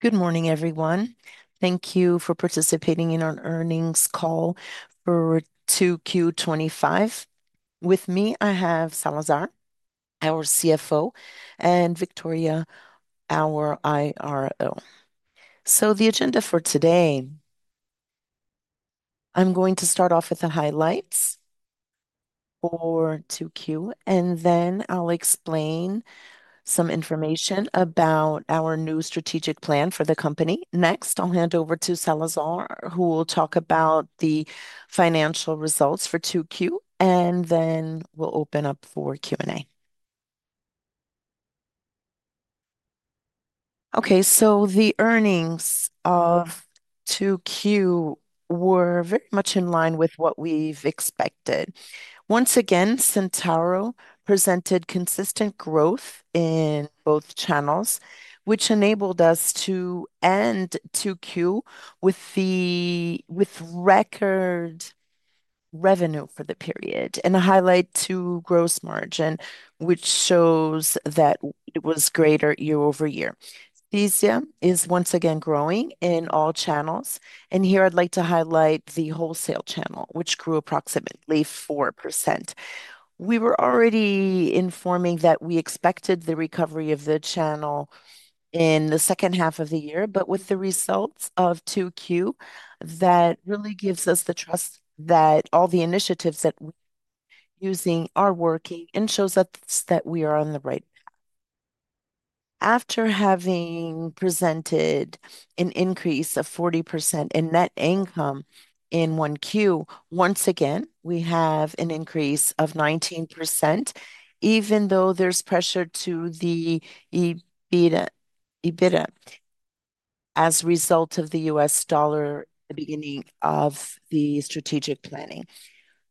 Good morning, everyone. Thank you for participating in our Earnings Call for 2Q 2025. With me, I have Salazar, our CFO, and Victoria, our IRO. The agenda for today: I'm going to start off with the highlights for 2Q, and then I'll explain some information about our new strategic plan for the company. Next, I'll hand over to Salazar, who will talk about the financial results for 2Q, and then we'll open up for Q&A. The earnings of 2Q were very much in line with what we've expected. Once again, Centauro presented consistent growth in both channels, which enabled us to end 2Q with record revenue for the period, and a highlight to gross margin, which shows that it was greater year-over-year. Fisia is once again growing in all channels, and here I'd like to highlight the wholesale channel, which grew approximately 4%. We were already informing that we expected the recovery of the channel in the second half of the year, but with the results of 2Q, that really gives us the trust that all the initiatives that we're using are working and shows us that we are on the right path. After having presented an increase of 40% in net income in 1Q, once again, we have an increase of 19%, even though there's pressure to the EBITDA as a result of the U.S. dollar at the beginning of the strategic planning.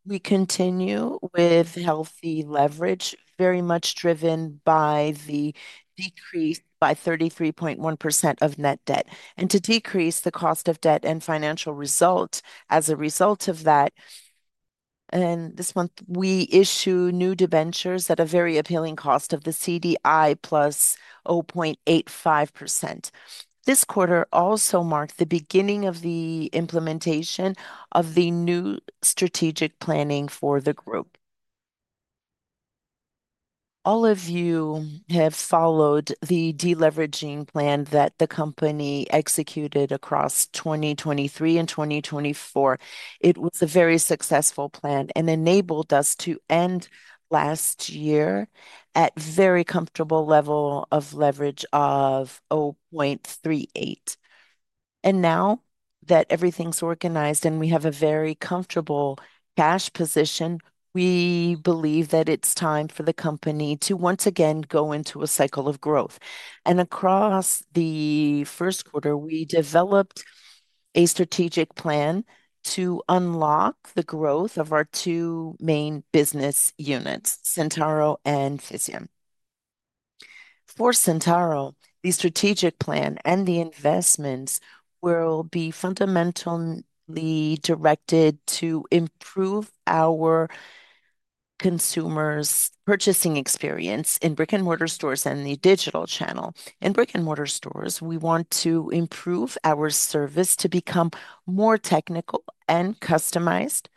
We continue with healthy leverage, very much driven by the decrease by 33.1% of net debt, and to decrease the cost of debt and financial results as a result of that. This month, we issue new debentures at a very appealing cost of the CDI + 0.85%. This quarter also marked the beginning of the implementation of the new strategic planning for the group. All of you have followed the deleveraging plan that the company executed across 2023 and 2024. It was a very successful plan and enabled us to end last year at a very comfortable level of leverage of 0.38. Now that everything's organized and we have a very comfortable cash position, we believe that it's time for the company to once again go into a cycle of growth. Across the first quarter, we developed a strategic plan to unlock the growth of our two main business units, Centauro and Fisia. For Centauro, the strategic plan and the investments will be fundamentally directed to improve our consumers' purchasing experience in brick-and-mortar stores and the digital channel. In brick-and-mortar stores, we want to improve our service to become more technical and customized.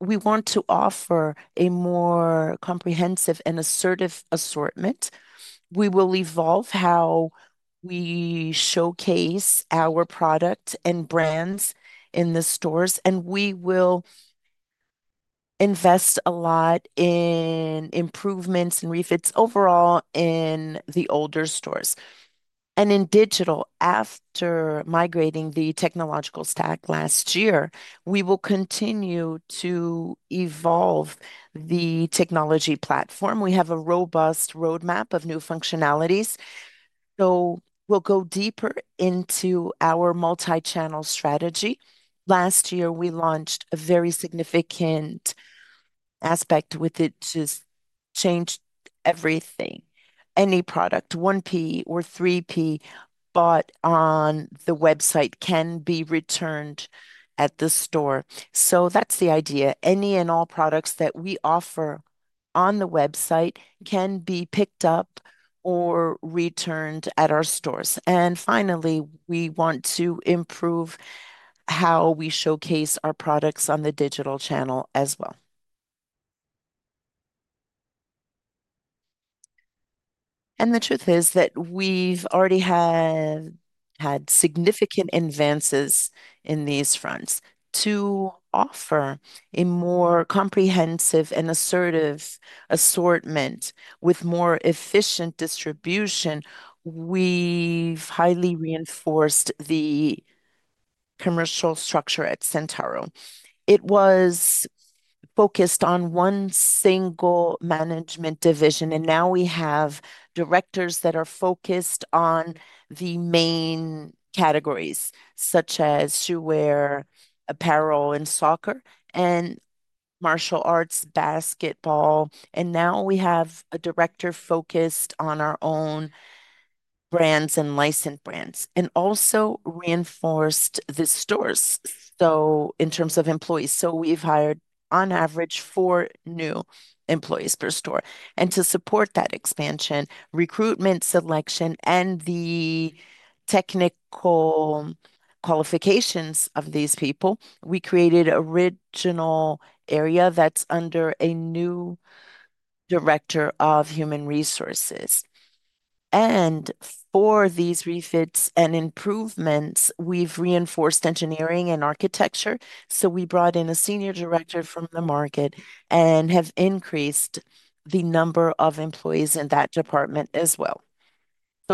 We want to offer a more comprehensive and assertive assortment. We will evolve how we showcase our product and brands in the stores, and we will invest a lot in improvements and refits overall in the older stores. In digital, after migrating the technological stack last year, we will continue to evolve the technology platform. We have a robust roadmap of new functionalities. We will go deeper into our multi-channel strategy. Last year, we launched a very significant aspect with it just changed everything. Any product, 1P or 3P, bought on the website can be returned at the store. That is the idea. Any and all products that we offer on the website can be picked up or returned at our stores. Finally, we want to improve how we showcase our products on the digital channel as well. The truth is that we've already had significant advances in these fronts. To offer a more comprehensive and assertive assortment with more efficient distribution, we've highly reinforced the commercial structure at Centauro. It was focused on one single management division, and now we have directors that are focused on the main categories, such as shoewear, clothing, and soccer, and martial arts, basketball. Now we have a director focused on our own brands and licensed brands, and also reinforced the stores. In terms of employees, we've hired on average four new employees per store. To support that expansion, recruitment, selection, and the technical qualifications of these people, we created an original area that's under a new Director of Human Resources. For these refits and improvements, we've reinforced engineering and architecture. We brought in a Senior Director from the market and have increased the number of employees in that department as well.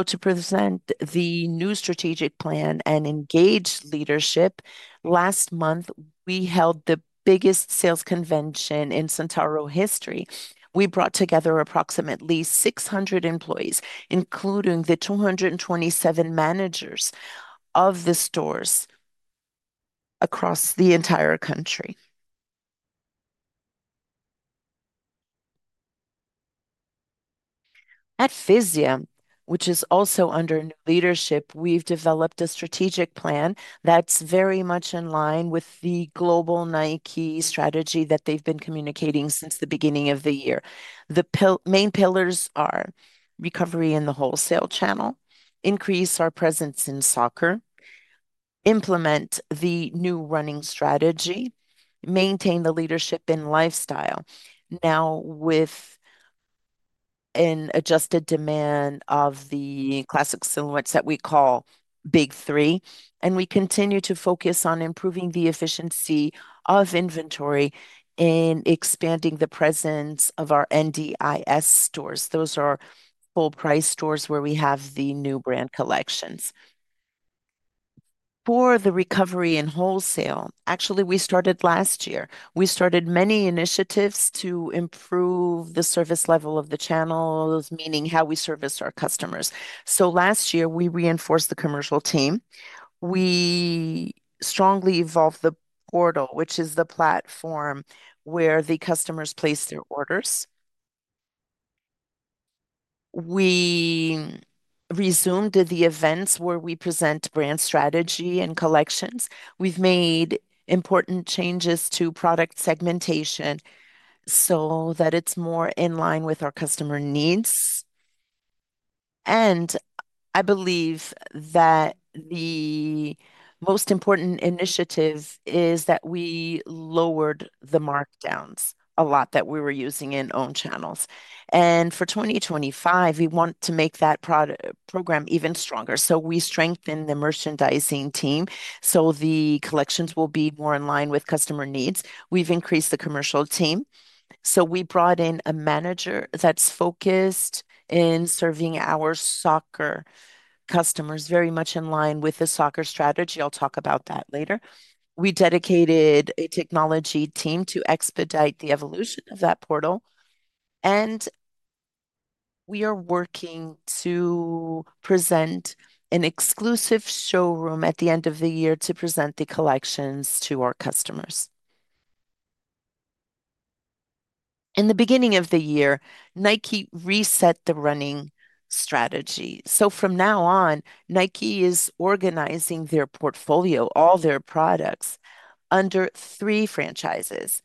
To present the new strategic plan and engage leadership, last month, we held the biggest sales convention in Centauro history. We brought together approximately 600 employees, including the 227 managers of the stores across the entire country. At Fisia, which is also under new leadership, we've developed a strategic plan that's very much in line with the global Nike strategy that they've been communicating since the beginning of the year. The main pillars are recovery in the wholesale channel, increase our presence in soccer, implement the new running strategy, maintain the leadership in lifestyle, now with an adjusted demand of the classic silhouettes that we call Big 3. We continue to focus on improving the efficiency of inventory and expanding the presence of our NDIS stores. Those are full-price stores where we have the new brand collections. For the recovery in wholesale, actually, we started last year. We started many initiatives to improve the service level of the channels, meaning how we service our customers. Last year, we reinforced the commercial team. We strongly evolved the portal, which is the platform where the customers place their orders. We resumed the events where we present brand strategy and collections. We've made important changes to product segmentation so that it's more in line with our customer needs. I believe that the most important initiative is that we lowered the markdowns a lot that we were using in own channels. For 2025, we want to make that program even stronger. We strengthened the merchandising team so the collections will be more in line with customer needs. We've increased the commercial team. We brought in a manager that's focused in serving our soccer customers, very much in line with the soccer strategy. I'll talk about that later. We dedicated a technology team to expedite the evolution of that portal. We are working to present an exclusive showroom at the end of the year to present the collections to our customers. In the beginning of the year, Nike reset the running strategy. From now on, Nike is organizing their portfolio, all their products, under three franchises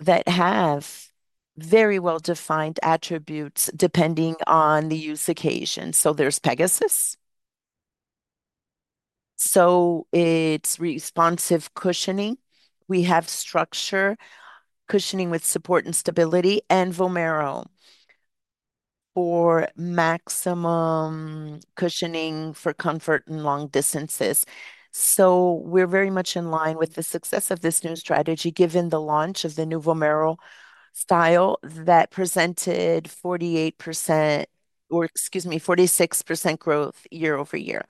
that have very well-defined attributes depending on the use occasion. There's Pegasus, which is responsive cushioning. We have Structure, cushioning with support and stability, and Vomero for maximum cushioning for comfort and long distances. We're very much in line with the success of this new strategy, given the launch of the new Vomero style that presented 48%, or, excuse me, 46% growth year-over-year.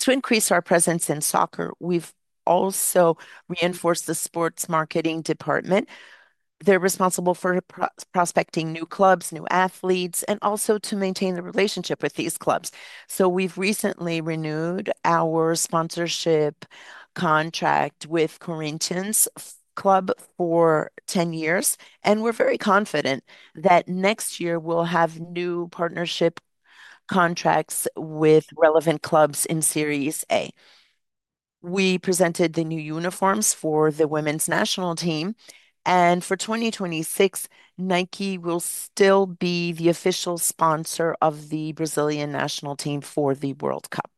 To increase our presence in soccer, we've also reinforced the sports marketing department. They're responsible for prospecting new clubs, new athletes, and also to maintain the relationship with these clubs. We've recently renewed our sponsorship contract with Corinthians Club for 10 years, and we're very confident that next year we'll have new partnership contracts with relevant clubs in series A. We presented the new uniforms for the women's national team, and for 2026, Nike will still be the official sponsor of the Brazilian national team for the World Cup.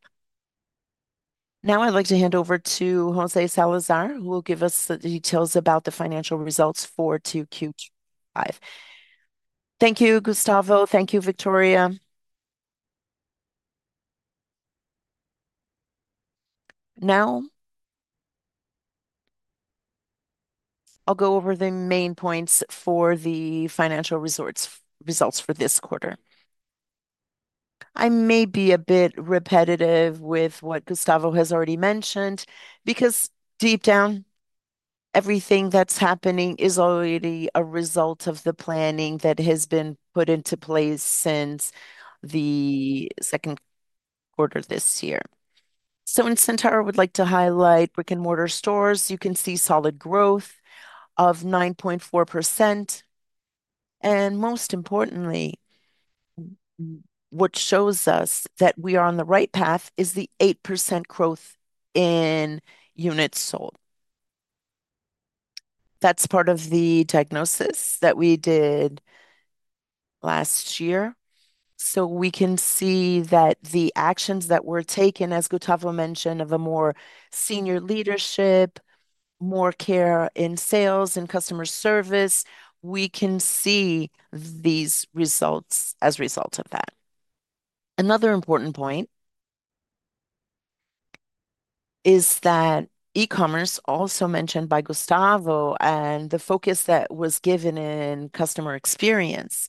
Now, I'd like to hand over to José Salazar, who will give us the details about the financial results for 2Q 2025. Thank you, Gustavo. Thank you, Victoria. Now, I'll go over the main points for the financial results for this quarter. I may be a bit repetitive with what Gustavo has already mentioned because deep down, everything that's happening is already a result of the planning that has been put into place since the second quarter this year. In Centauro, I would like to highlight brick-and-mortar stores. You can see solid growth of 9.4%. Most importantly, what shows us that we are on the right path is the 8% growth in units sold. That's part of the diagnosis that we did last year. We can see that the actions that were taken, as Gustavo mentioned, of a more senior leadership, more care in sales and customer service, we can see these results as a result of that. Another important point is that e-commerce, also mentioned by Gustavo, and the focus that was given in customer experience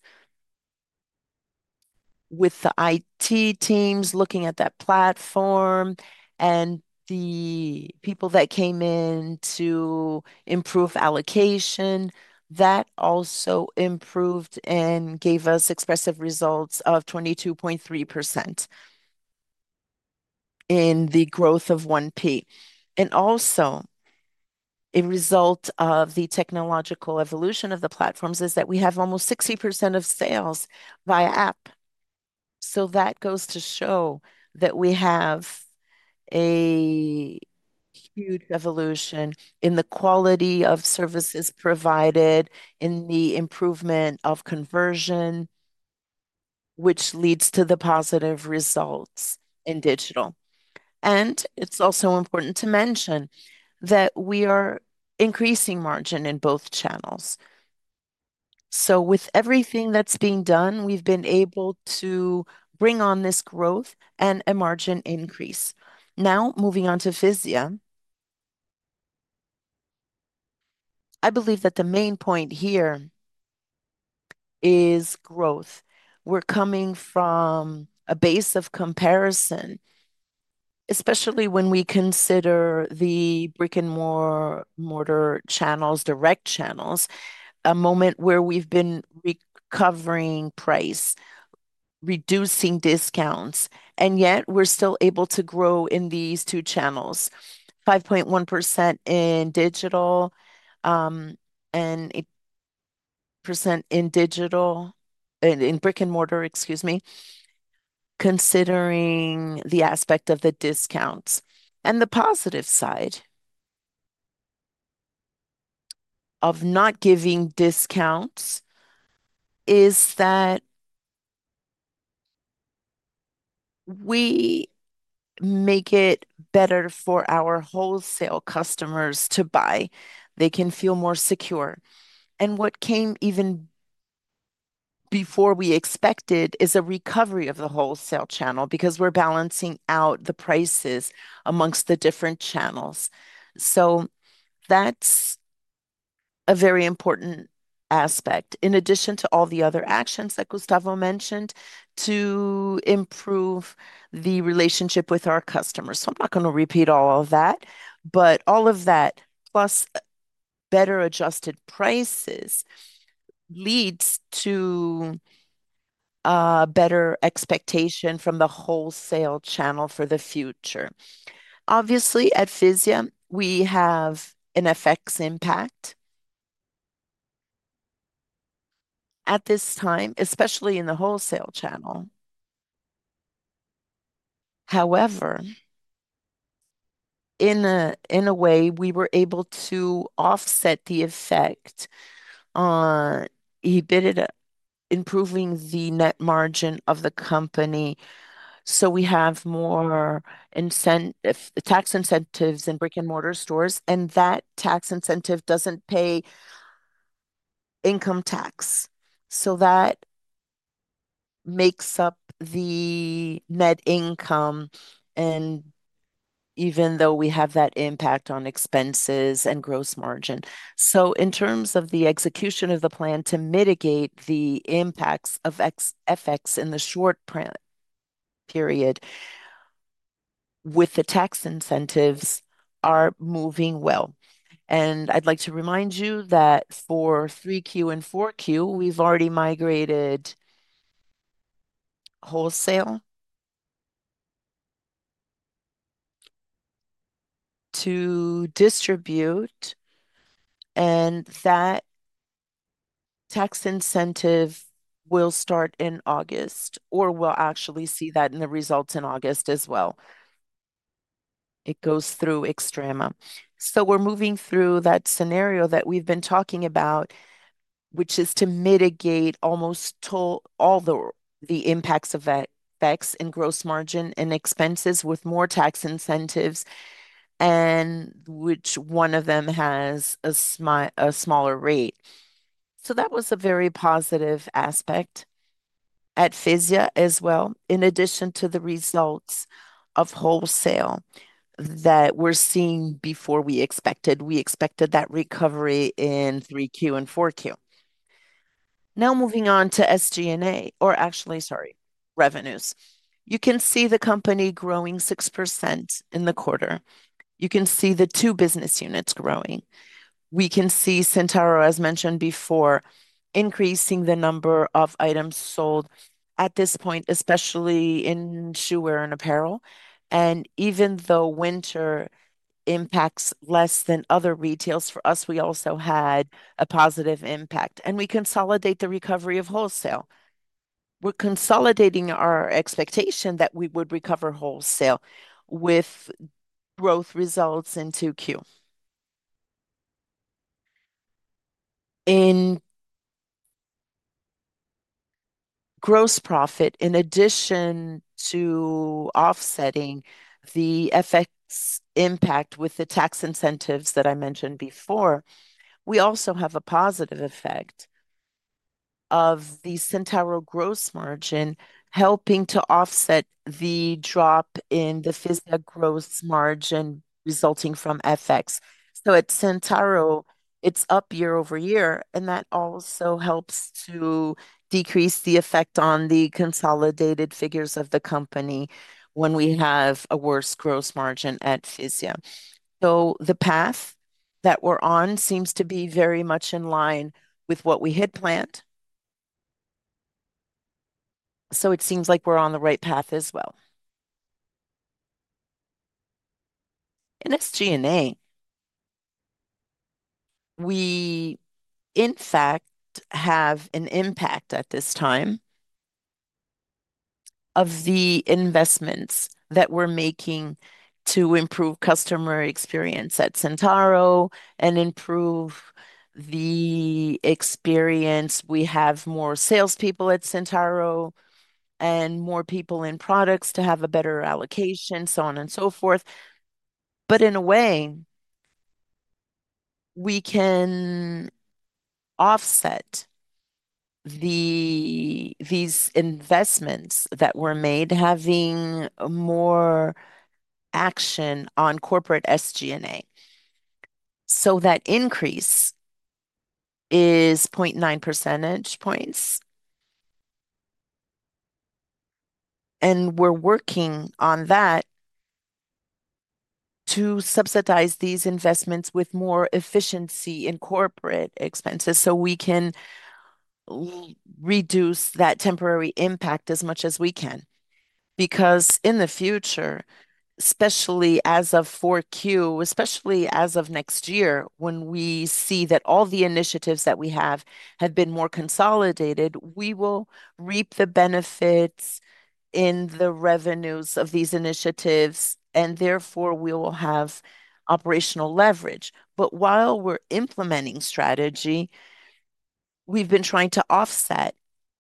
with the IT teams looking at that platform and the people that came in to improve allocation, that also improved and gave us expressive results of 22.3% in the growth of 1P. A result of the technological evolution of the platforms is that we have almost 60% of sales by app. That goes to show that we have a huge evolution in the quality of services provided, in the improvement of conversion, which leads to the positive results in digital. It's also important to mention that we are increasing margin in both channels. With everything that's being done, we've been able to bring on this growth and a margin increase. Now, moving on to Fisia, I believe that the main point here is growth. We're coming from a base of comparison, especially when we consider the brick-and-mortar channels, direct channels, a moment where we've been recovering price, reducing discounts, and yet we're still able to grow in these two channels: 5.1% in digital and [8.2%] in digital and in brick-and-mortar, excuse me, considering the aspect of the discounts. The positive side of not giving discounts is that we make it better for our wholesale customers to buy. They can feel more secure. What came even before we expected is a recovery of the wholesale channel because we're balancing out the prices amongst the different channels. That's a very important aspect, in addition to all the other actions that Gustavo mentioned, to improve the relationship with our customers. I'm not going to repeat all of that, but all of that, plus better adjusted prices, leads to a better expectation from the wholesale channel for the future. Obviously, at Fisia, we have an FX impact at this time, especially in the wholesale channel. However, in a way, we were able to offset the effect on EBITDA, improving the net margin of the company. We have more tax incentives in brick-and-mortar stores, and that tax incentive doesn't pay income tax. That makes up the net income, even though we have that impact on expenses and gross margin. In terms of the execution of the plan to mitigate the impacts of FX in the short period with the tax incentives, we are moving well. I'd like to remind you that for 3Q and 4Q, we've already migrated wholesale to distribute, and that tax incentive will start in August, or we'll actually see that in the results in August as well. It goes through Extrema. We're moving through that scenario that we've been talking about, which is to mitigate almost all the impacts of FX and gross margin and expenses with more tax incentives, and which one of them has a smaller rate. That was a very positive aspect at Fisia as well, in addition to the results of wholesale that we're seeing before we expected. We expected that recovery in 3Q and 4Q. Now, moving on to SG&A, or actually, sorry, revenues. You can see the company growing 6% in the quarter. You can see the two business units growing. We can see Centauro, as mentioned before, increasing the number of items sold at this point, especially in footwear and apparel. Even though winter impacts less than other retails, for us, we also had a positive impact, and we consolidate the recovery of wholesale. We're consolidating our expectation that we would recover wholesale with growth results in 2Q. In gross profit, in addition to offsetting the FX impact with the tax incentives that I mentioned before, we also have a positive effect of the Centauro gross margin helping to offset the drop in the Fisia gross margin resulting from FX. At Centauro, it's up year-over-year, and that also helps to decrease the effect on the consolidated figures of the company when we have a worse gross margin at Fisia. The path that we're on seems to be very much in line with what we had planned. It seems like we're on the right path as well. In SG&A, we, in fact, have an impact at this time of the investments that we're making to improve customer experience at Centauro and improve the experience. We have more salespeople at Centauro and more people in products to have a better allocation, so on and so forth. In a way, we can offset these investments that were made, having more action on corporate SG&A. That increase is 0.9 percentage points, and we're working on that to subsidize these investments with more efficiency in corporate expenses so we can reduce that temporary impact as much as we can. In the future, especially as of 4Q, especially as of next year, when we see that all the initiatives that we have have been more consolidated, we will reap the benefits in the revenues of these initiatives, and therefore, we will have operational leverage. While we're implementing strategy, we've been trying to offset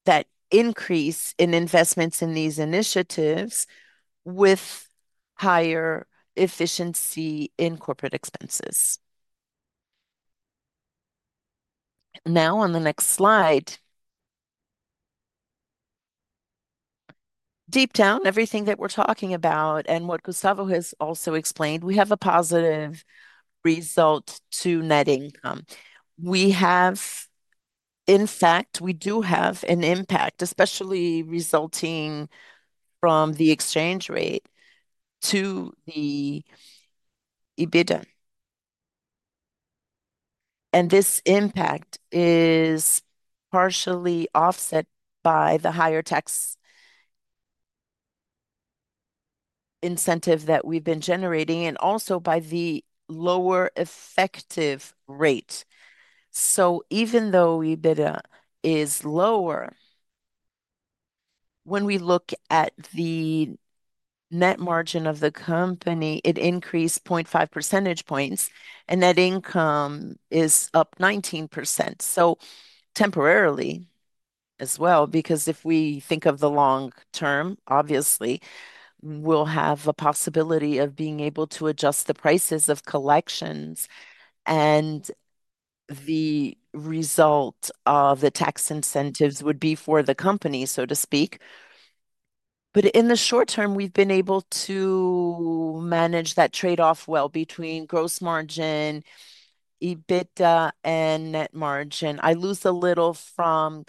that increase in investments in these initiatives with higher efficiency in corporate expenses. Now, on the next slide, deep down, everything that we're talking about and what Gustavo has also explained, we have a positive result to net income. We have, in fact, we do have an impact, especially resulting from the exchange rate to the EBITDA. This impact is partially offset by the higher tax incentive that we've been generating and also by the lower effective rate. Even though EBITDA is lower, when we look at the net margin of the company, it increased 0.5 percentage points, and net income is up 19%. Temporarily as well, because if we think of the long term, obviously, we'll have a possibility of being able to adjust the prices of collections, and the result of the tax incentives would be for the company, so to speak. In the short term, we've been able to manage that trade-off well between gross margin, EBITDA, and net margin. I lose a little from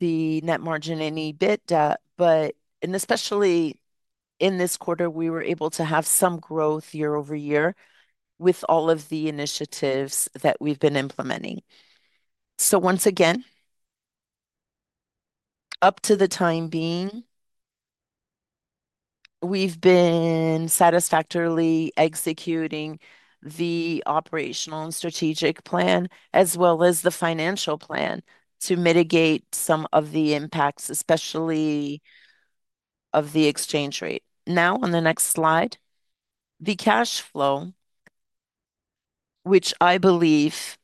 the net margin and EBITDA, but especially in this quarter, we were able to have some growth year-over-year with all of the initiatives that we've been implementing. Once again, up to the time being, we've been satisfactorily executing the operational and strategic plan, as well as the financial plan to mitigate some of the impacts, especially of the exchange rate. Now, on the next slide, the cash flow, which I believe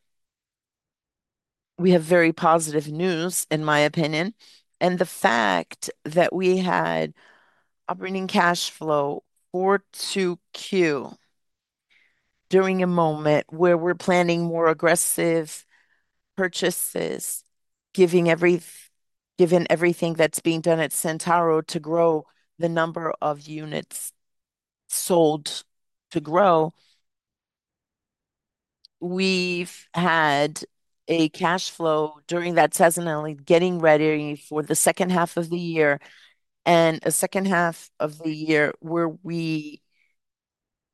we have very positive news, in my opinion, and the fact that we had operating cash flow for 2Q during a moment where we're planning more aggressive purchases, given everything that's being done at Centauro to grow the number of units sold to grow. We've had a cash flow during that seasonally getting ready for the second half of the year, and a second half of the year where we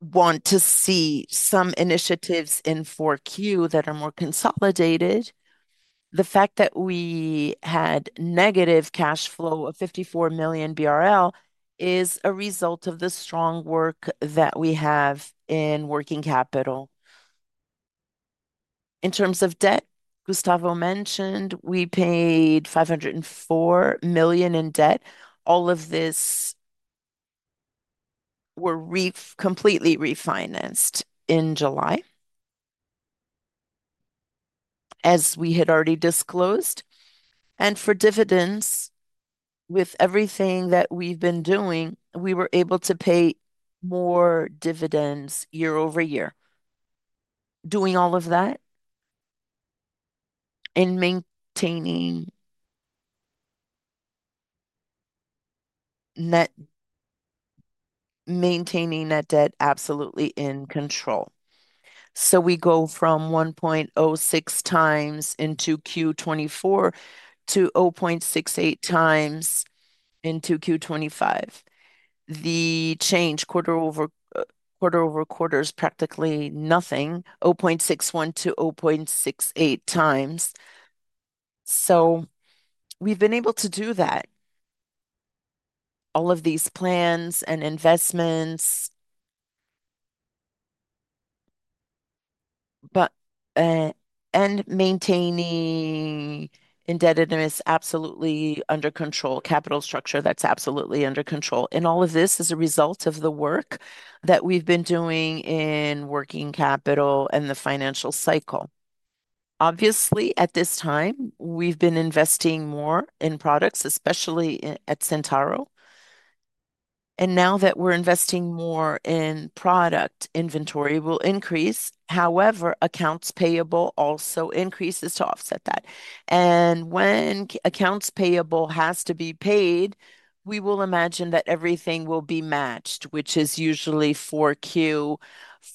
want to see some initiatives in 4Q that are more consolidated. The fact that we had negative cash flow of 54 million BRL is a result of the strong work that we have in working capital. In terms of debt, Gustavo mentioned we paid 504 million in debt. All of this was completely refinanced in July, as we had already disclosed. For dividends, with everything that we've been doing, we were able to pay more dividends year-over-year, doing all of that and maintaining net debt absolutely in control. We go from 1.06x in 2Q to 0.68x in 2Q5. The change quarter over quarter is practically nothing, 0.61x-0.68x. We've been able to do that, all of these plans and investments, and maintaining indebtedness absolutely under control, capital structure that's absolutely under control. All of this is a result of the work that we've been doing in working capital and the financial cycle. Obviously, at this time, we've been investing more in products, especially at Centauro. Now that we're investing more in product, inventory will increase. However, accounts payable also increases to offset that. When accounts payable have to be paid, we will imagine that everything will be matched, which is usually 4Q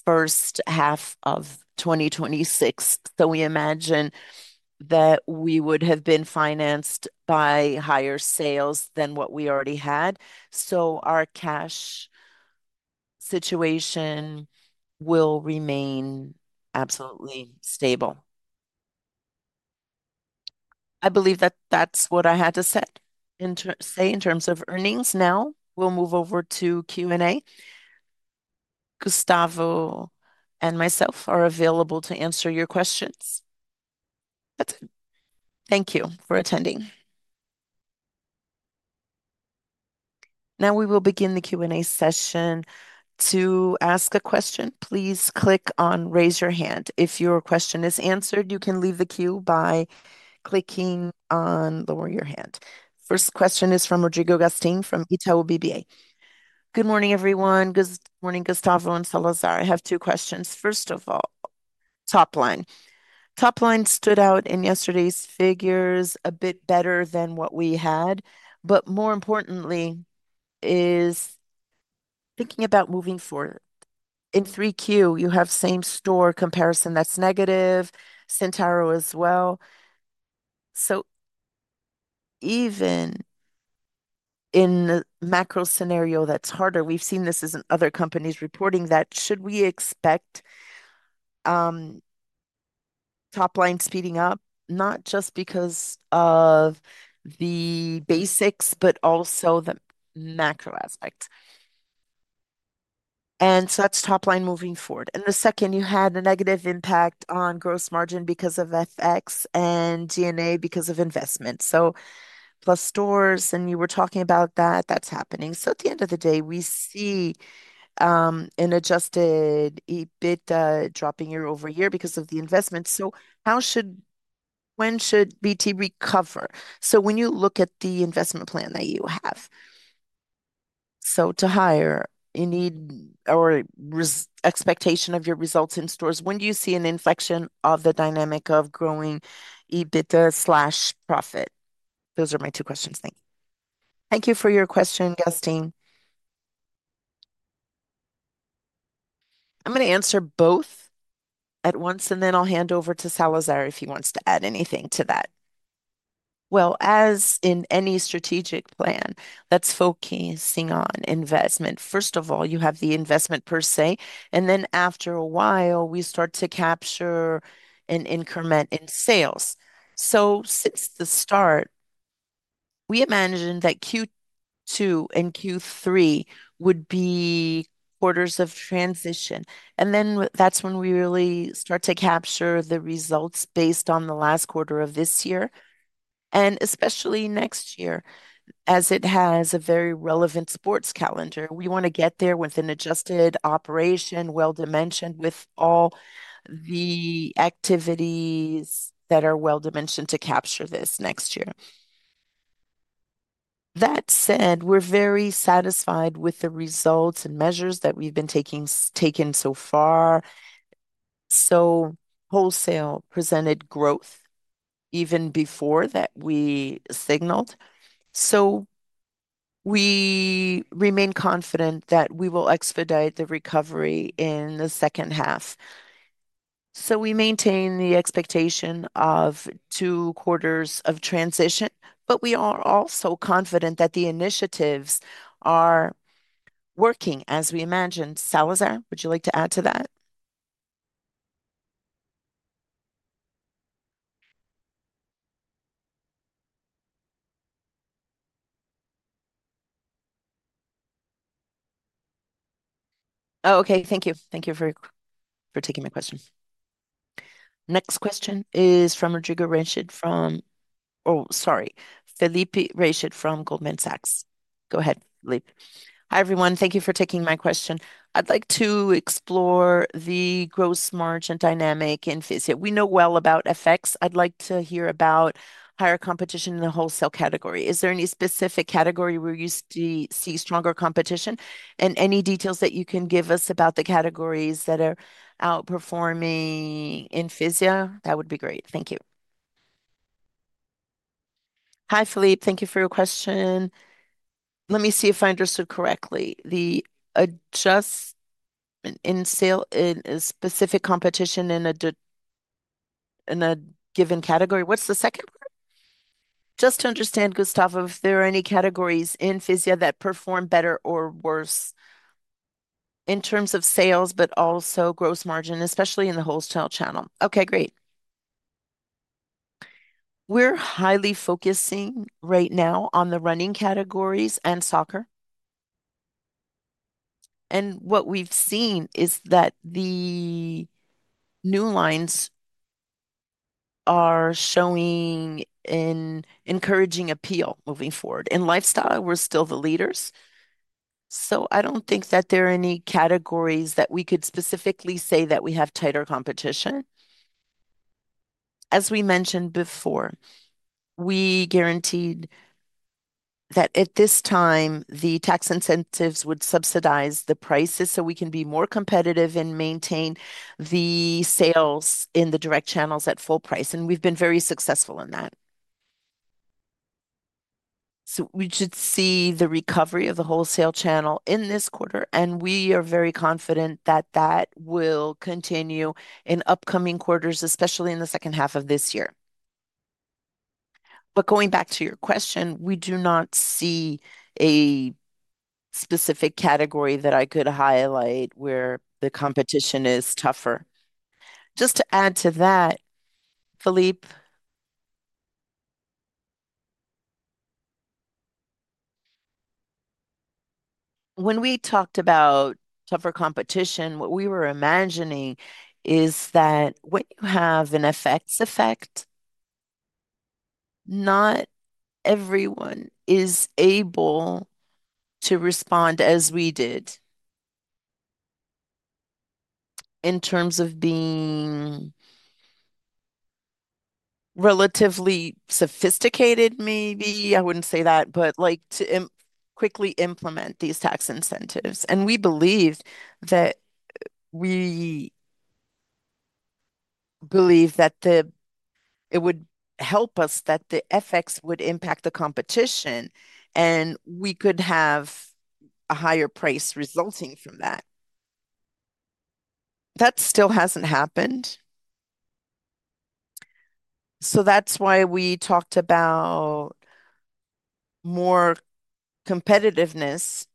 first half of 2026. We imagine that we would have been financed by higher sales than what we already had. Our cash situation will remain absolutely stable. I believe that that's what I had to say in terms of earnings. Now, we'll move over to Q&A. Gustavo and myself are available to answer your questions. That's it. Thank you for attending. Now, we will begin the Q&A session. To ask a question, please click on raise your hand. If your question is answered, you can leave the queue by clicking on lower your hand. First question is from Rodrigo Gastim from Itaú BBA. Good morning, everyone. Good morning, Gustavo and Salazar. I have two questions. First of all, top line. Top line stood out in yesterday's figures a bit better than what we had. More importantly, is thinking about moving forward. In 3Q, you have same store comparison that's negative, Centauro as well. Even in the macro scenario that's harder, we've seen this in other companies reporting that should we expect top-line speeding up, not just because of the basics, but also the macro aspect. That's top-line moving forward. The second, you had a negative impact on gross margin because of FX and G&A because of investment. Plus stores, and you were talking about that, that's happening. At the end of the day, we see an adjusted EBITDA dropping year-over-year because of the investments. How should, when should BT recover? When you look at the investment plan that you have, to hire, you need our expectation of your results in stores. When do you see an inflection of the dynamic of growing EBITDA/profit? Those are my two questions. Thank you. Thank you for your question, Gastim. I'm going to answer both at once, then I'll hand over to Salazar if he wants to add anything to that. As in any strategic plan that's focusing on investment, first of all, you have the investment per se, then after a while, we start to capture an increment in sales. Since the start, we imagined that Q2 and Q3 would be quarters of transition. That's when we really start to capture the results based on the last quarter of this year, and especially next year, as it has a very relevant sports calendar. We want to get there with an adjusted operation, well-dimensioned with all the activities that are well-dimensioned to capture this next year. That said, we're very satisfied with the results and measures that we've been taking so far. Wholesale presented growth even before that we signaled. We remain confident that we will expedite the recovery in the second half. We maintain the expectation of two quarters of transition, but we are also confident that the initiatives are working as we imagined. Salazar, would you like to add to that? Thank you. Thank you for taking my question. Next question is from Rodrigo Rached from, sorry, Felipe Rached from Goldman Sachs. Go ahead, Felipe. Hi, everyone. Thank you for taking my question. I'd like to explore the gross margin dynamic in Fisia. We know well about FX. I'd like to hear about higher competition in the wholesale category. Is there any specific category where you see stronger competition? Any details that you can give us about the categories that are outperforming in Fisia, that would be great. Thank you. Hi, Felipe. Thank you for your question. Let me see if I understood correctly. The adjustment in sale in a specific competition in a given category. What's the second one? Just to understand, Gustavo, if there are any categories in Fisia that perform better or worse in terms of sales, but also gross margin, especially in the wholesale channel. Okay, great. We're highly focusing right now on the running categories and soccer. What we've seen is that the new lines are showing an encouraging appeal moving forward. In lifestyle, we're still the leaders. I don't think that there are any categories that we could specifically say that we have tighter competition. As we mentioned before, we guaranteed that at this time, the tax incentives would subsidize the prices so we can be more competitive and maintain the sales in the direct channels at full price. We've been very successful in that. We should see the recovery of the wholesale channel in this quarter, and we are very confident that will continue in upcoming quarters, especially in the second half of this year. Going back to your question, we do not see a specific category that I could highlight where the competition is tougher. Just to add to that, Felipe, when we talked about tougher competition, what we were imagining is that when you have an FX effect, not everyone is able to respond as we did in terms of being relatively sophisticated, maybe. I wouldn't say that, but to quickly implement these tax incentives. We believed that it would help us, that the FX would impact the competition, and we could have a higher price resulting from that. That still hasn't happened. That's why we talked about more competitiveness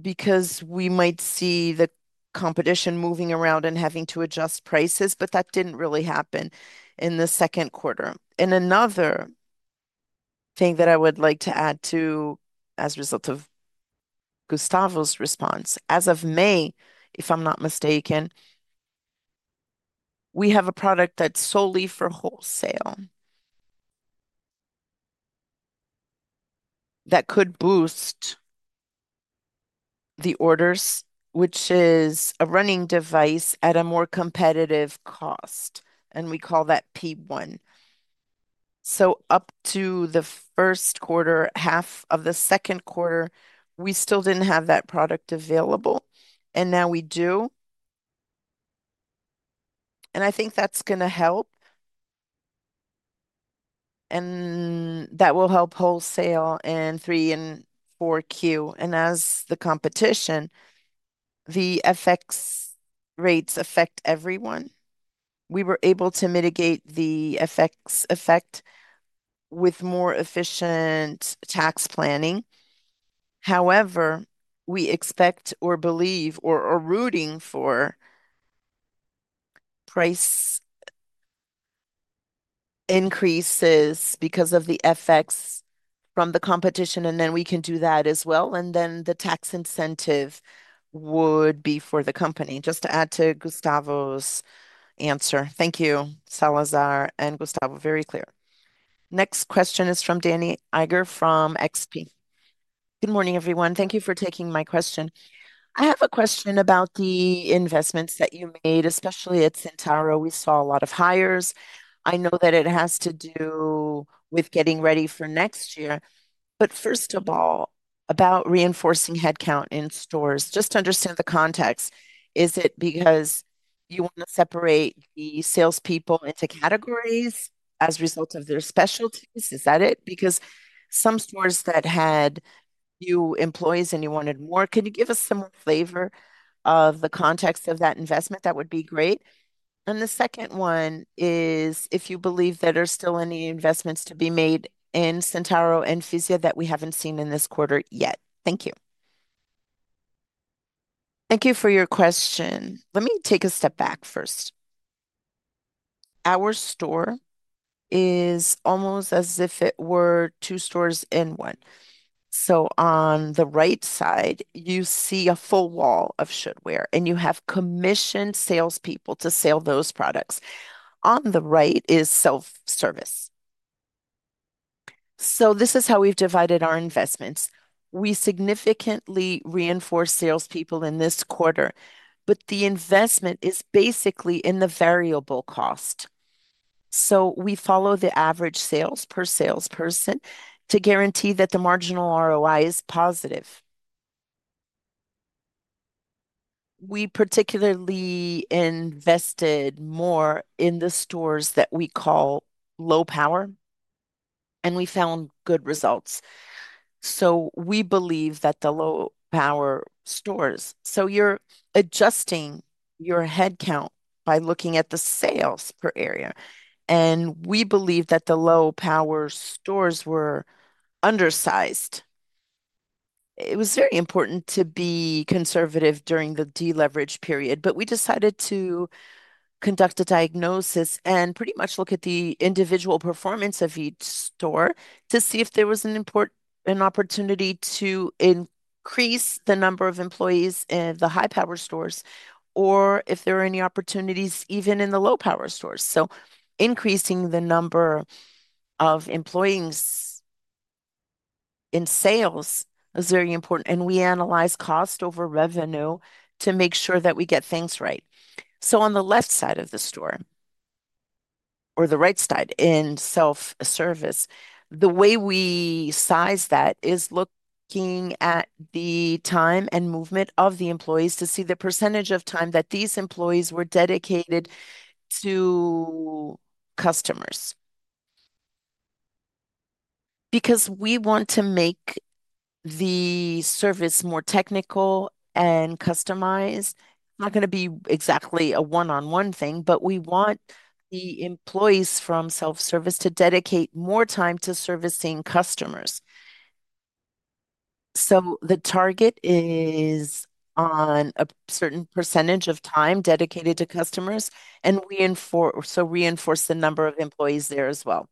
because we might see the competition moving around and having to adjust prices, but that didn't really happen in the second quarter. Another thing that I would like to add as a result of Gustavo's response, as of May, if I'm not mistaken, we have a product that's solely for wholesale that could boost the orders, which is a running device at a more competitive cost. We call that P1. Up to the first quarter, half of the second quarter, we still didn't have that product available. Now we do. I think that's going to help. That will help wholesale in 3Q and 4Q. As the competition, the FX rates affect everyone. We were able to mitigate the FX effect with more efficient tax planning. However, we expect or believe or are rooting for price increases because of the FX from the competition. We can do that as well. The tax incentive would be for the company. Just to add to Gustavo's answer. Thank you, Salazar and Gustavo, very clear. Next question is from Danni Eiger from XP. Good morning, everyone. Thank you for taking my question. I have a question about the investments that you made, especially at Centauro. We saw a lot of hires. I know that it has to do with getting ready for next year. First of all, about reinforcing headcount in stores, just to understand the context, is it because you want to separate the salespeople into categories as a result of their specialties? Is that it? Some stores had few employees and you wanted more. Could you give us some more flavor of the context of that investment? That would be great. The second one is if you believe that there are still any investments to be made in Centauro and Fisia that we haven't seen in this quarter yet. Thank you. Thank you for your question. Let me take a step back first. Our store is almost as if it were two stores in one. On the right side, you see a full wall of footwear, and you have commissioned salespeople to sell those products. On the right is self-service. This is how we've divided our investments. We significantly reinforce salespeople in this quarter, but the investment is basically in the variable cost. We follow the average sales per salesperson to guarantee that the marginal ROI is positive. We particularly invested more in the stores that we call low power, and we found good results. We believe that the low power stores, so you're adjusting your headcount by looking at the sales per area. We believe that the low power stores were undersized. It was very important to be conservative during the deleverage period, but we decided to conduct a diagnosis and pretty much look at the individual performance of each store to see if there was an opportunity to increase the number of employees in the high power stores or if there are any opportunities even in the low power stores. Increasing the number of employees in sales is very important. We analyze cost over revenue to make sure that we get things right. On the left side of the store or the right side in self-service, the way we size that is looking at the time and movement of the employees to see the percentage of time that these employees were dedicated to customers. We want to make the service more technical and customized. It's not going to be exactly a one-on-one thing, but we want the employees from self-service to dedicate more time to servicing customers. The target is on a certain percentage of time dedicated to customers, and we reinforce the number of employees there as well.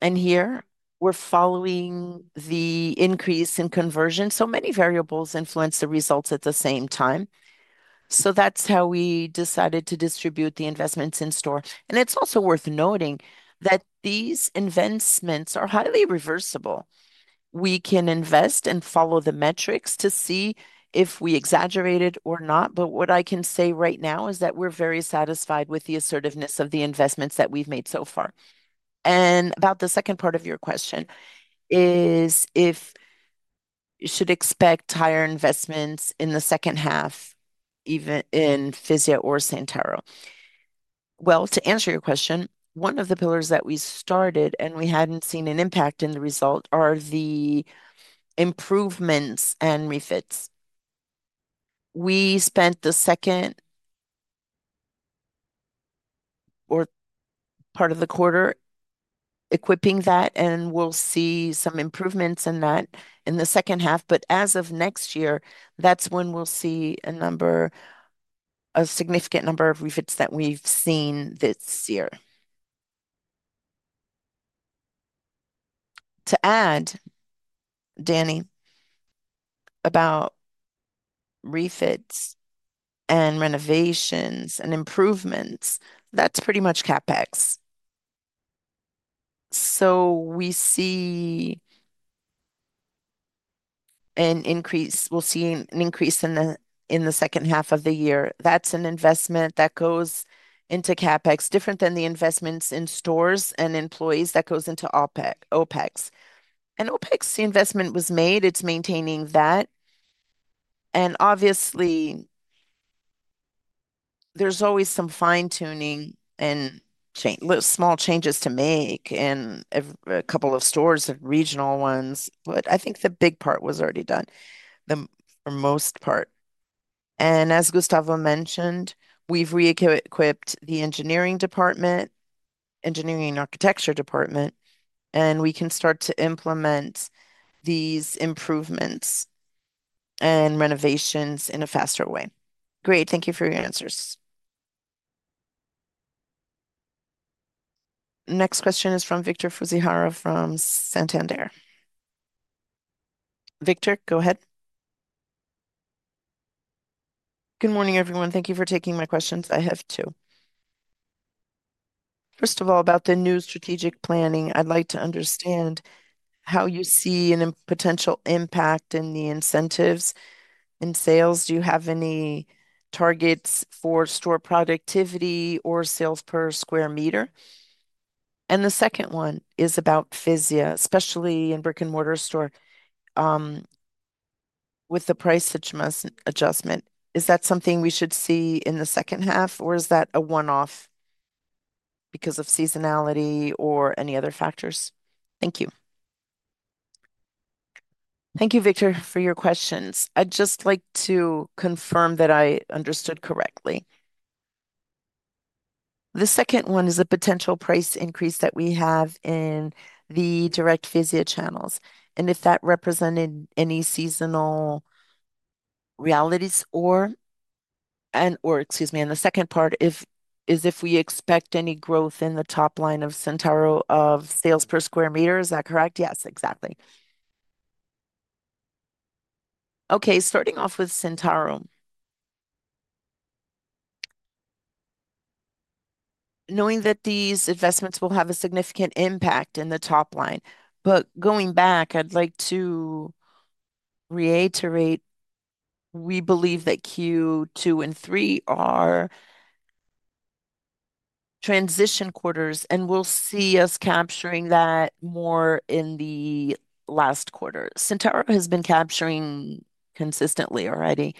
Here, we're following the increase in conversion. Many variables influence the results at the same time. That's how we decided to distribute the investments in store. It's also worth noting that these investments are highly reversible. We can invest and follow the metrics to see if we exaggerated or not. What I can say right now is that we're very satisfied with the assertiveness of the investments that we've made so far. About the second part of your question, if you should expect higher investments in the second half, even in Fisia or Centauro. To answer your question, one of the pillars that we started and we hadn't seen an impact in the result are the improvements and refits. We spent the second or part of the quarter equipping that, and we'll see some improvements in that in the second half. As of next year, that's when we'll see a significant number of refits that we've seen this year. To add, Danni, about refits and renovations and improvements, that's pretty much CapEx. We see an increase, we'll see an increase in the second half of the year. That's an investment that goes into CapEx, different than the investments in stores and employees that goes into OpEx. OpEx, the investment was made, it's maintaining that. Obviously, there's always some fine-tuning and small changes to make in a couple of stores, regional ones. I think the big part was already done, the most part. As Gustavo mentioned, we've re-equipped the engineering department, engineering and architecture department, and we can start to implement these improvements and renovations in a faster way. Great. Thank you for your answers. Next question is from Vitor Fuziharo from Santander. Vitor, go ahead. Good morning, everyone. Thank you for taking my questions. I have two. First of all, about the new strategic planning, I'd like to understand how you see a potential impact in the incentives in sales. Do you have any targets for store productivity or sales per square meter? The second one is about Fisia, especially in brick-and-mortar stores, with the price adjustment. Is that something we should see in the second half, or is that a one-off because of seasonality or any other factors? Thank you. Thank you, Vitor, for your questions. I'd just like to confirm that I understood correctly. The second one is a potential price increase that we have in the direct Fisia channels, and if that represented any seasonal realities or, excuse me, in the second part, if we expect any growth in the top line of Centauro or sales per square meter, is that correct? Yes, exactly. Okay, starting off with Centauro, knowing that these investments will have a significant impact in the top line. Going back, I'd like to reiterate, we believe that Q2 and Q3 are transition quarters, and we'll see us capturing that more in the last quarter. Centauro has been capturing consistently already. In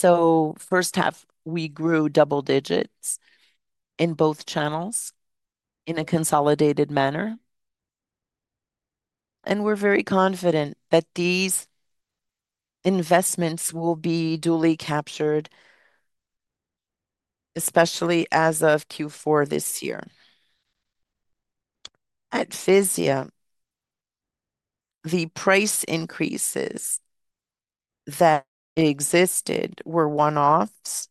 the first half, we grew double digits in both channels in a consolidated manner. We're very confident that these investments will be duly captured, especially as of Q4 this year. At Fisia, the price increases that existed were one-offs.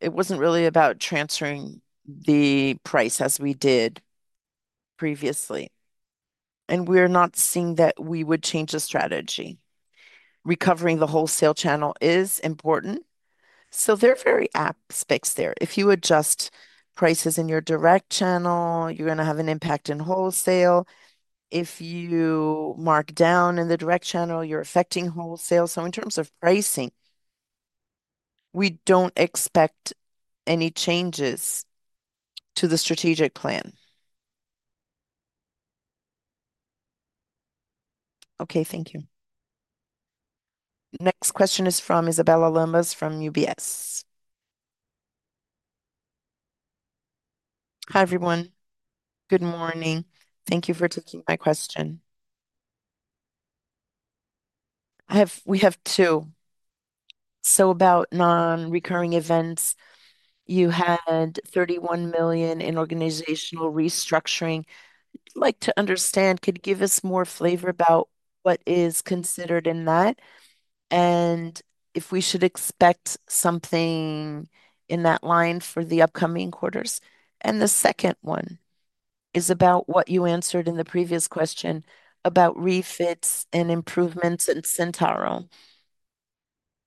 It wasn't really about transferring the price as we did previously. We're not seeing that we would change the strategy. Recovering the wholesale channel is important. There are various aspects there. If you adjust prices in your direct channel, you're going to have an impact in wholesale. If you mark down in the direct channel, you're affecting wholesale. In terms of pricing, we don't expect any changes to the strategic plan. Okay, thank you. Next question is from Isabella Lamas from UBS. Hi, everyone. Good morning. Thank you for taking my question. We have two. About non-recurring events, you had 31 million in organizational restructuring. I'd like to understand, could you give us more flavor about what is considered in that, and if we should expect something in that line for the upcoming quarters? The second one is about what you answered in the previous question about refits and improvements in Centauro.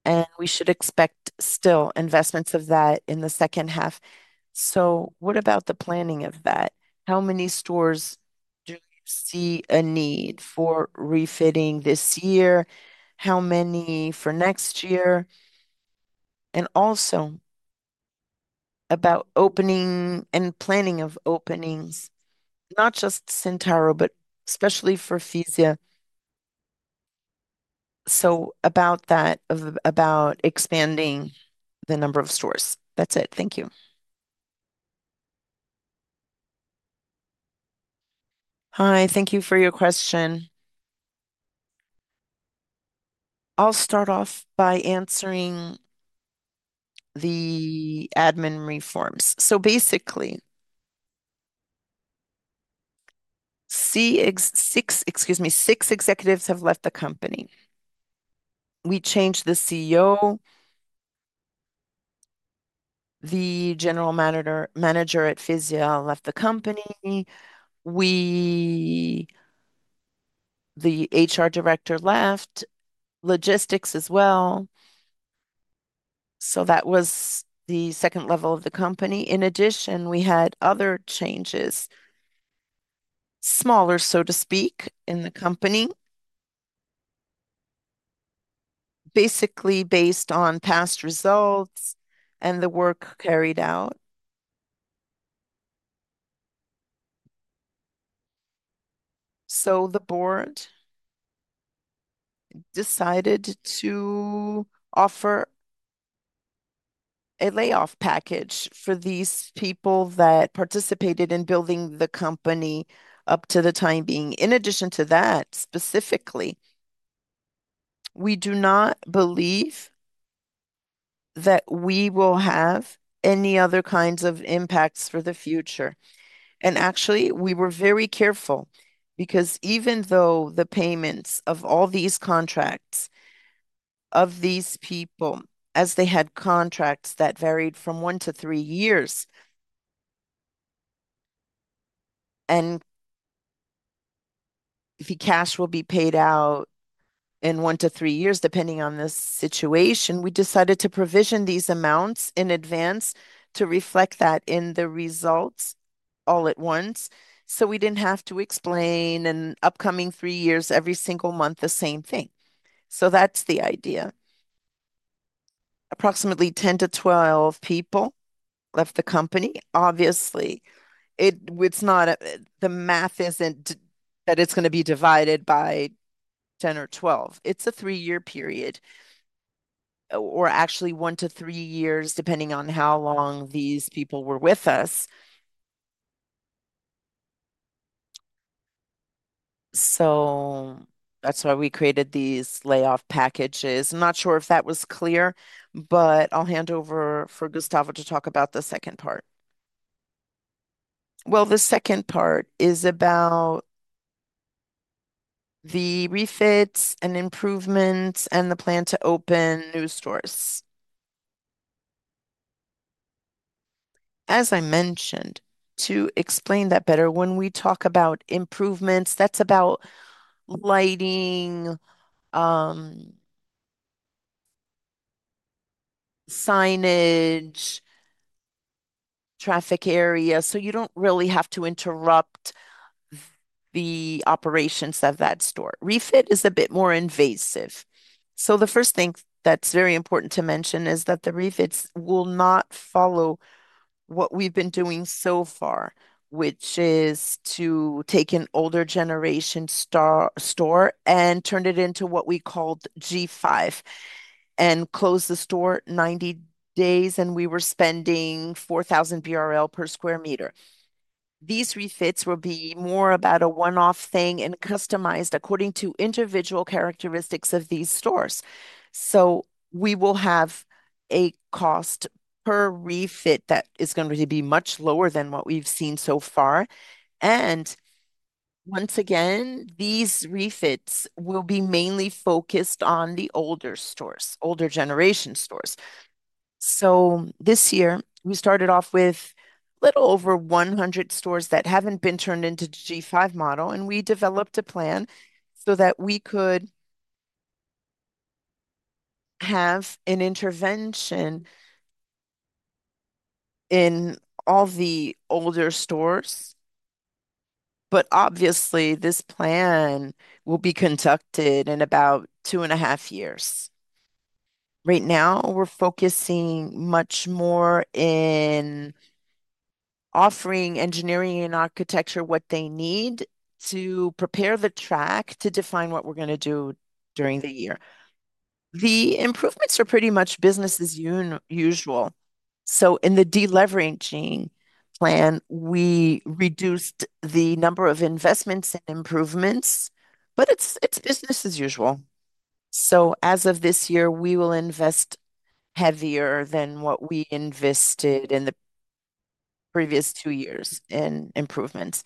Should we expect still investments of that in the second half? What about the planning of that? How many stores do you see a need for refitting this year? How many for next year? Also, about opening and planning of openings, not just Centauro, but especially for Fisia. About that, about expanding the number of stores. That's it. Thank you. Hi, thank you for your question. I'll start off by answering the admin reforms. Basically, six, excuse me, six executives have left the company. We changed the CEO. The General Manager at Fisia left the company. The HR Director left. Logistics as well. That was the second level of the company. In addition, we had other changes, smaller, so to speak, in the company, basically based on past results and the work carried out. The board decided to offer a layoff package for these people that participated in building the company up to the time being. In addition to that, specifically, we do not believe that we will have any other kinds of impacts for the future. Actually, we were very careful because even though the payments of all these contracts of these people, as they had contracts that varied from one to three years, and if your cash will be paid out in one to three years, depending on the situation, we decided to provision these amounts in advance to reflect that in the results all at once. We didn't have to explain in upcoming three years, every single month, the same thing. That's the idea. Approximately 10-12 people left the company. Obviously, it's not the math isn't that it's going to be divided by 10 or 12. It's a three-year period, or actually one to three years, depending on how long these people were with us. That's why we created these layoff packages. I'm not sure if that was clear, but I'll hand over for Gustavo to talk about the second part. The second part is about the refits and improvements and the plan to open new stores. As I mentioned, to explain that better, when we talk about improvements, that's about lighting, signage, traffic area. You don't really have to interrupt the operations of that store. Refit is a bit more invasive. The first thing that's very important to mention is that the refits will not follow what we've been doing so far, which is to take an older generation store and turn it into what we called G5 and close the store 90 days, and we were spending 4,000 BRL per square meter. These refits will be more about a one-off thing and customized according to individual characteristics of these stores. We will have a cost per refit that is going to be much lower than what we've seen so far. Once again, these refits will be mainly focused on the older stores, older generation stores. This year, we started off with a little over 100 stores that haven't been turned into the G5 model, and we developed a plan so that we could have an intervention in all the older stores. Obviously, this plan will be conducted in about two and a half years. Right now, we're focusing much more on offering engineering and architecture what they need to prepare the track to define what we're going to do during the year. The improvements are pretty much business as usual. In the deleveraging plan, we reduced the number of investments and improvements, but it's business as usual. As of this year, we will invest heavier than what we invested in the previous two years in improvements.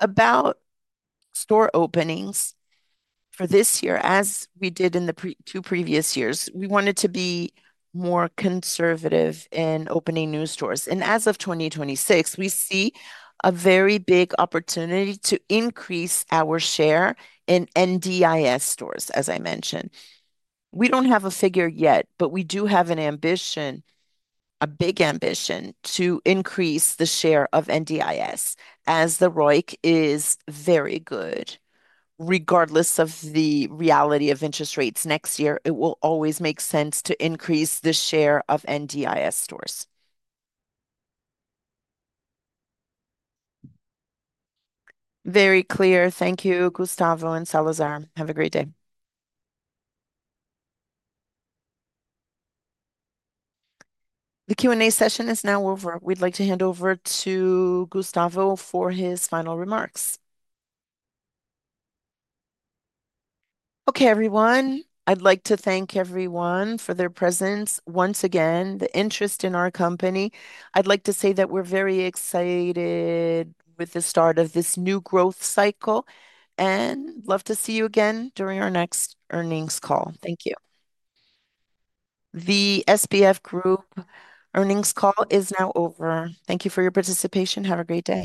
About store openings for this year, as we did in the two previous years, we wanted to be more conservative in opening new stores. As of 2026, we see a very big opportunity to increase our share in NDIS stores, as I mentioned. We don't have a figure yet, but we do have an ambition, a big ambition, to increase the share of NDIS as the ROIC is very good. Regardless of the reality of interest rates next year, it will always make sense to increase the share of NDIS stores. Very clear. Thank you, Gustavo and Salazar. Have a great day. The Q&A session is now over. We'd like to hand over to Gustavo for his final remarks. Okay, everyone, I'd like to thank everyone for their presence. Once again, the interest in our company. I'd like to say that we're very excited with the start of this new growth cycle, and love to see you again during our next earnings call. Thank you. The SBF Group earnings call is now over. Thank you for your participation. Have a great day.